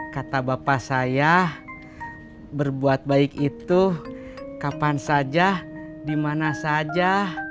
kata bapak saya berbuat baik itu kapan saja dimana saja